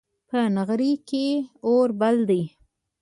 په نغري کې اور بل دی